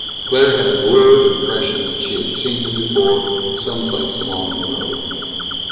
Claire had a blurred impression that she had seen him before, some place along the road.